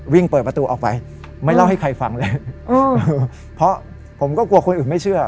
วิ่งเปิดประตูออกไปไม่เล่าให้ใครฟังเลยเพราะผมก็กลัวคนอื่นไม่เชื่อ